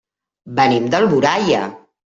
Venim d'Alboraia.